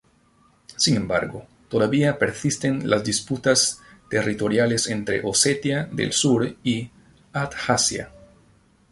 Sin embargo, todavía persisten las disputas territoriales entre Osetia del Sur y Abjasia.